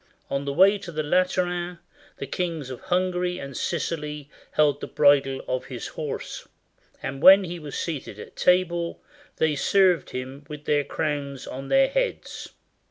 On the way to the Lateran the kings of Hungary and Sicily held the bridle of his horse; and when he was seated at table they served him with their crowns on their heads.